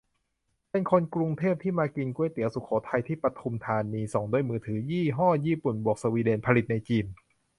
เป็นคนกรุงเทพ ที่มากินก๋วยเตี๋ยวสุโขทัย ที่ปทุมธานี ส่งด้วยมือถือยี่ห้อญี่ปุ่นบวกสวีเดน ผลิตในจีน